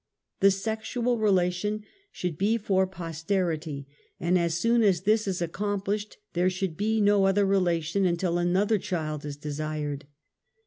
The sexual relation should be for posterity, and as soon as this is accomplished, there should be no other relation until another child is desired.